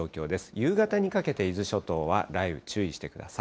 夕方にかけて伊豆諸島は、雷雨注意してください。